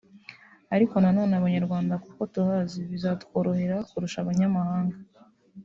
Ariko na none abanyarwanda kuko tuhazi bizatworohera kurusha abanyamahanga